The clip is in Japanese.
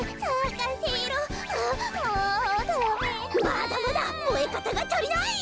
まだまだもえかたがたりない！